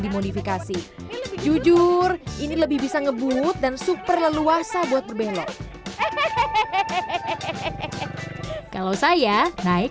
dimodifikasi jujur ini lebih bisa ngebut dan super leluasa buat berbelok hehehe kalau saya naik